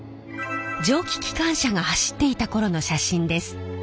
蒸気機関車が走っていた頃の写真です。